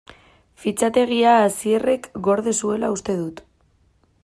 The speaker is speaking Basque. Fitxategia Asierrek gorde zuela uste dut.